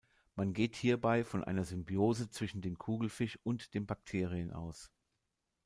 Man geht hierbei von einer Symbiose zwischen dem Kugelfisch und den Bakterien aus.